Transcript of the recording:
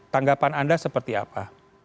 tanggapan anda seperti apa